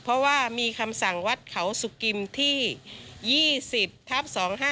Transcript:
เพราะว่ามีคำสั่งวัดเขาสุกิมที่๒๐ทับ๒๕๖